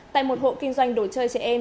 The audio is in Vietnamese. tại một hộ kinh doanh đồ chơi trẻ em